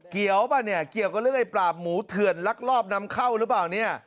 ป่ะเนี่ยเกี่ยวกับเรื่องไอ้ปราบหมูเถื่อนลักลอบนำเข้าหรือเปล่าเนี่ย